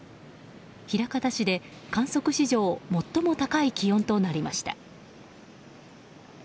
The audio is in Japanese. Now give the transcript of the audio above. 枚方市で観測史上最も高い気温となりました。